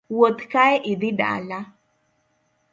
Wuoth kae idhi dala.